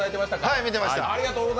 はい、見てました。